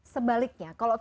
sebaliknya kalau kita